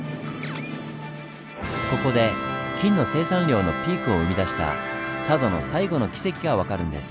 ここで金の生産量のピークを生み出した佐渡の「最後のキセキ」が分かるんです。